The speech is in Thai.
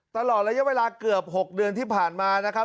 ตลอดระยะเวลาเกือบ๖เดือนที่ผ่านมานะครับ